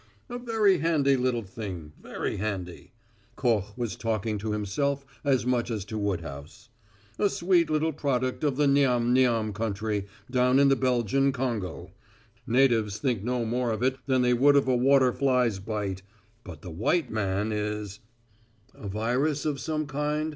"A very handy little thing very handy." Koch was talking to himself as much as to Woodhouse. "A sweet little product of the Niam Niam country down in Belgian Kongo. Natives think no more of it than they would of a water fly's bite; but the white man is " "A virus of some kind?"